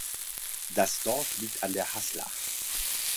Das Dorf liegt an der Haßlach.